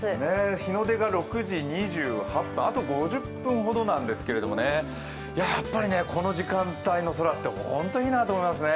日の出があと５０分ほどなんですけどやっぱりこの時間帯の空って本当にいいと思いますね。